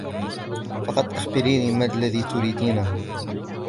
فقط أخبريني ما الذي تريدينهُ.